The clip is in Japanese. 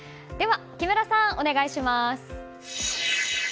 木村さん、お願いします。